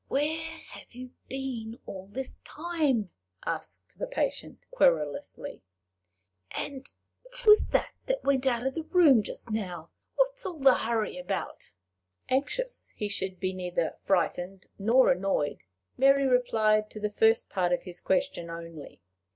"Where have you been all this time?" asked the patient, querulously; "and who was that went out of the room just now? What's all the hurry about?" Anxious he should be neither frightened nor annoyed, Mary replied to the first part of his question only.